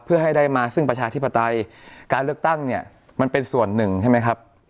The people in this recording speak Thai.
เพื่อให้ได้มาซึ่งประชาธิปไตยการเลือกตั้งเนี่ยมันเป็นส่วนหนึ่งใช่ไหมครับ